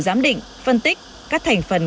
giám định phân tích các thành phần